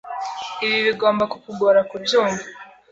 Ibi bigomba kukugora kubyumva.